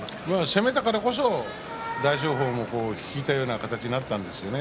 攻めたからこそ大翔鵬が引いた形になったんですね。